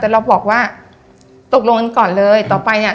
แต่เราบอกว่าตกลงกันก่อนเลยต่อไปเนี่ย